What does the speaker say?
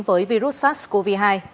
với virus sars cov hai